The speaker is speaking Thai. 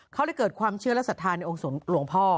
เขาเลยเกิดความเชื่อและศรัทธาในองค์หลวงพ่อ